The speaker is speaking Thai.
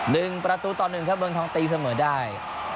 ลึงประตูตอนหนึ่งครับเบื้องท้องตีเสมอได้